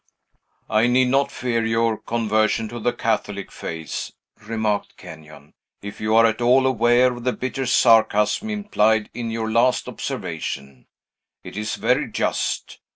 "I need not fear your conversion to the Catholic faith," remarked Kenyon, "if you are at all aware of the bitter sarcasm implied in your last observation. It is very just.